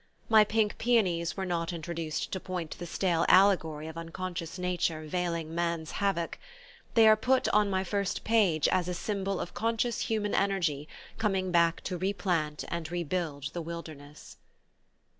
My pink peonies were not introduced to point the stale allegory of unconscious Nature veiling Man's havoc: they are put on my first page as a symbol of conscious human energy coming back to replant and rebuild the wilderness...